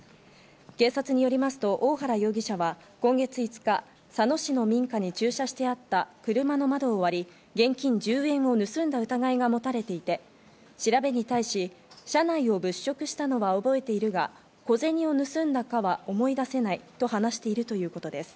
警察によりますと大原容疑者は今月５日、佐野市の民家に駐車してあった車の窓を割り、現金１０円を盗んだ疑いが持たれていて、調べに対し、車内を物色したのは覚えているが、小銭を盗んだかは思い出せないと話しているということです。